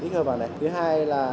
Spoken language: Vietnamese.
thứ hai là